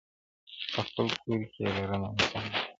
په خپل كور كي يې لرمه مثالونه٫